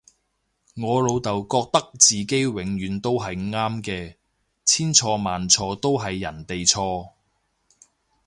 我老竇覺得自己永遠都係啱嘅，千錯萬錯都係人哋錯